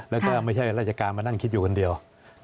แล้วก็ไม่ใช่ราชการมานั่งคิดอยู่คนเดียว